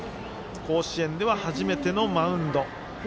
甲子園では初めてのマウンド。